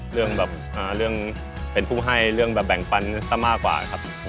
เรื่องแบบเป็นผู้ให้เรื่องแบบแบ่งให้บ้านซะมากกว่าครับ